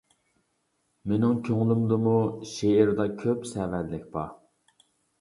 مىنىڭ كۆڭلۈمدىمۇ شېئىردا كۆپ سەۋەنلىك بار.